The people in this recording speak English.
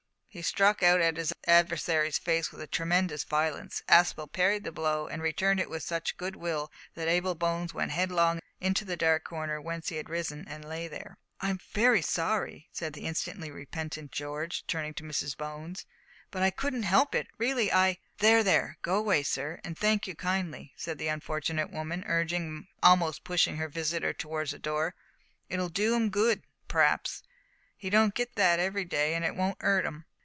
He struck out at his adversary's face with tremendous violence. Aspel parried the blow and returned it with such good will that Abel Bones went headlong into the dark corner whence he had risen, and lay there. "I'm very sorry," said the instantly repentant George, turning to Mrs Bones, "but I couldn't help it; really, I " "There, there; go away, sir, and thank you kindly," said the unfortunate woman, urging almost pushing her visitor towards the door. "It'll do 'im good, p'r'aps. He don't get that every day, an' it won't 'urt 'im."